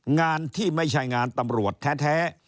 งานที่ไม่ใช่งานตำรวจแท้